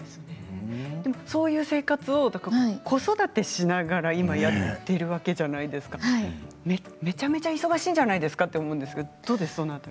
でもそういう生活を子育てしながら今やっているわけじゃないですかめちゃめちゃ忙しいんじゃないですか？と思うんですけれどもどうですか？